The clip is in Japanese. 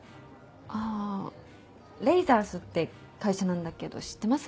あぁＬＡＳＥＲＳって会社なんだけど知ってます？